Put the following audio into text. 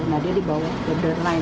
nah dia dibawa ke beder lain